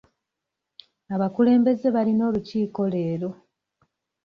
Abakulembeze balina olukiiko leero.